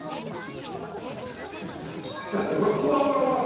だってほらうわうわうわうわ！